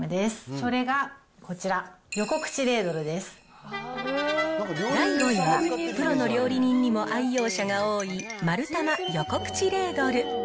それがこちら、第５位は、プロの料理人にも愛用者が多い、マルタマ横口レードル。